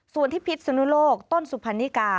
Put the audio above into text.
ส่วนที่พิษนุโลกต้นสุพรรณิกา